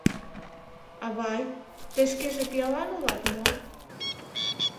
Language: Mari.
«Авай, тый шкеже пиалан улат мо?